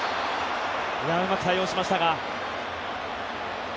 うまく対応しましたが。